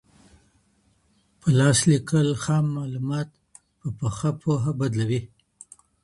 په لاس لیکل خام معلومات په پخه پوهه بدلوي.